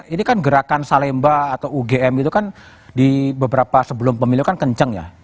ini kan gerakan salemba atau ugm itu kan di beberapa sebelum pemilu kan kenceng ya